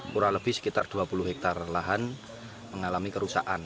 kurang lebih sekitar dua puluh hektare lahan mengalami kerusakan